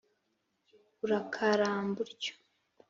urakaramba utyo.